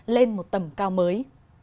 lên một tầm cao mới